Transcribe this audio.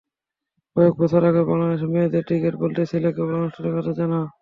কয়েক বছর আগেও বাংলাদেশের মেয়েদের ক্রিকেট বলতে ছিল কেবল আনুষ্ঠানিকতা যেন।